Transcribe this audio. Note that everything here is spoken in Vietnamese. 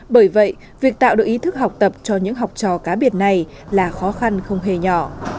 bởi vậy việc tạo được ý thức học tập cho những học trò cá biệt này là khó khăn không hề nhỏ